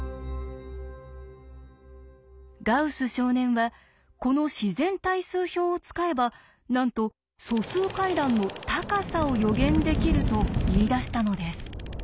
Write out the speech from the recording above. ガウス少年はこの自然対数表を使えばなんと素数階段の「高さ」を予言できると言いだしたのです。